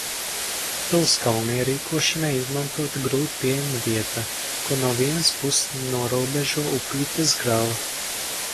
Pilskalna ierīkošanai izmantota grūti pieejama vieta, ko no vienas puses norobežo upītes grava.